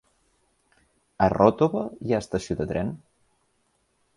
A Ròtova hi ha estació de tren?